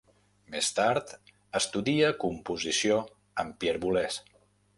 Més tard estudia composició amb Pierre Boulez.